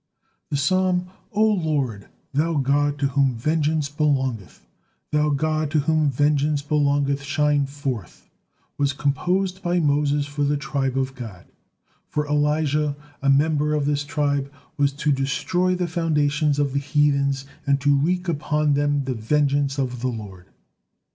The psalm: "O Lord, Thou God to whom vengeance belongeth; Thou God to whom vengeance belongeth, shine forth," was composed by Moses for the tribe of Gad; for Elijah, a member of this tribe, was to destroy the foundations of the heathens, and to wreak upon them the vengeance of the Lord.